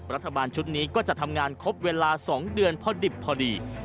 รัฐบาลชุดนี้ก็จะทำงานครบเวลา๒เดือนพอดิบพอดี